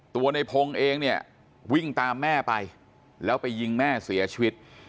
ในพงศ์เองเนี่ยวิ่งตามแม่ไปแล้วไปยิงแม่เสียชีวิต